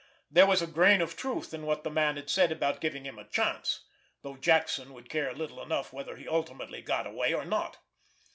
There was a grain of truth in what the man had said about giving him a chance, though Jackson would care little enough whether he ultimately got away, or not.